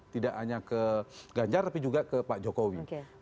tidak hanya ke ganjar tapi juga ke pak jokowi